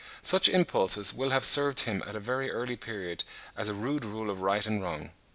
Such impulses will have served him at a very early period as a rude rule of right and wrong.